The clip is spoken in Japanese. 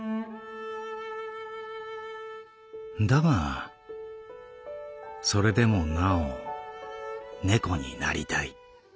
「だがそれでもなお猫になりたい。